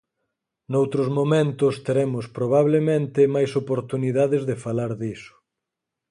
Noutros momentos teremos probablemente máis oportunidades de falar diso.